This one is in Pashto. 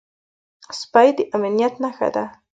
سپي د امنيت نښه ده.